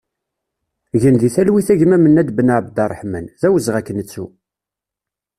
Gen di talwit a gma Menad Benabderreḥman, d awezɣi ad k-nettu!